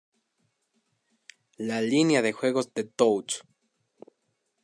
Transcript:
La línea de juegos de Touch!